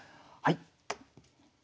はい。